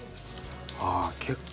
ああ結構。